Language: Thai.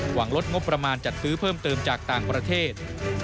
หวังลดงบประมาณจัดซื้อเพิ่มเติมจากต่างประเทศ